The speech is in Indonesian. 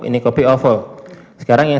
ini kopi ovo sekarang yang